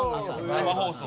生放送で。